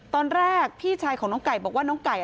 ตอนแรกพี่ชายของน้องไก่บอกว่าน้องไก่